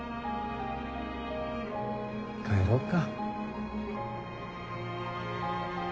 帰ろうか。